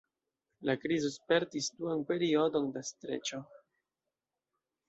La krizo spertis duan periodon da streĉo.